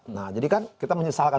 nah jadikan kita menyesalkan